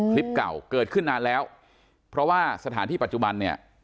คลิปเก่าเกิดขึ้นนานแล้วเพราะว่าสถานที่ปัจจุบันเนี่ย